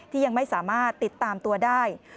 ยังไม่สามารถติดตามตัวได้